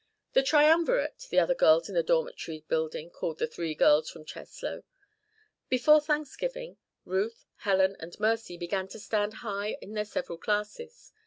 "The Triumvirate" the other girls in the dormitory building called the three girls from Cheslow. Before Thanksgiving, Ruth, Helen, and Mercy began to stand high in their several classes.